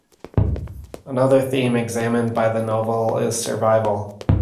Another theme examined by the novel is survival.